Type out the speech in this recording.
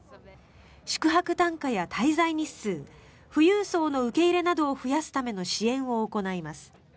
宿泊単価や滞在日数富裕層の受け入れなどを増やすための支援を行います。